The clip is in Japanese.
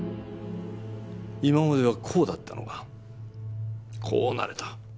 今まではこうだったのがこうなれた。